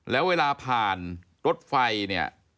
แล้วเวลาผ่านรถไฟเนี่ย